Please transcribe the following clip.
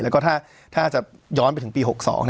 แล้วก็ถ้าจะย้อนไปถึงปี๖๒